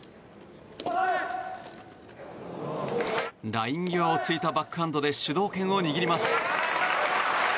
ライン際を突いたバックハンドで主導権を握ります。